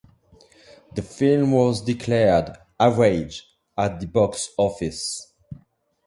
The film was declared "average" at the box office.